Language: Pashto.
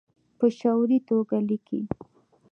په شعوري توګه لیکي